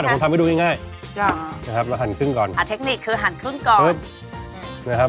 นะครับนะครับนะครับนะครับนะครับนะครับนะครับ